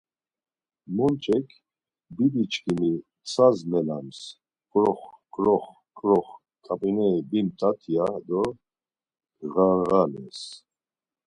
Monç̌ek, Bibi çkimi ntsa melams ǩrox, ǩrox, ǩrox ǩap̌ineri bimt̆at ya do ğarğalez.